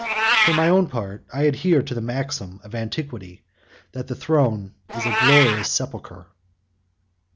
For my own part, I adhere to the maxim of antiquity, that the throne is a glorious sepulchre."